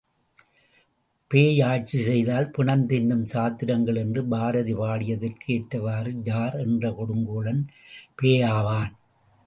பேய் ஆட்சி செய்தால், பிணம் தின்னும் சாத்திரங்கள் என்று பாரதி பாடியதற்கு ஏற்றவாறு ஜார் என்ற கொடுங்கோலன் பேயாவான்!